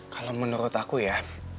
kalau menurut aku ya